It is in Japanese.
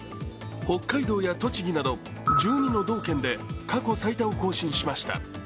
北海道や栃木など１２の道県で過去最多を更新しました。